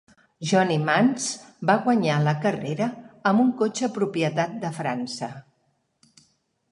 Johnny Mantz va guanyar la carrera amb un cotxe propietat de França.